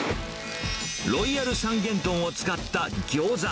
ロイヤル三元豚を使ったギョーザ。